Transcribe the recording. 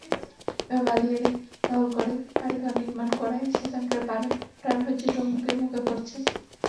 এভাবে বালিয়াড়ি দখল করে বাড়িঘর নির্মাণ করায় সেখানকার প্রাণবৈচিত্র্য হুমকির মুখে পড়ছে।